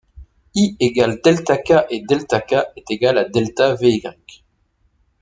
I = ∆K et ∆K = ∆vY.